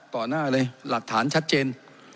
หน้าเลยหลักฐานชัดเจน